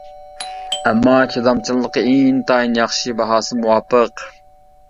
ئەمما چىدامچانلىقى ئىنتايىن ياخشى باھاسى مۇۋاپىق.